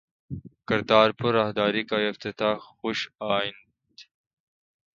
کرتارپور راہداری کا افتتاح خوش آئند